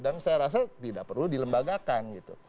dan saya rasa tidak perlu dilembagakan gitu